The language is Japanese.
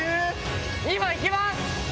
今行きます。